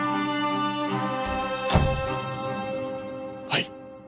はい。